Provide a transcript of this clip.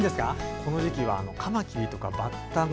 この時期はカマキリやバッタが